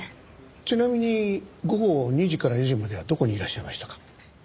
ちなみに午後２時から４時まではどこにいらっしゃいましたか？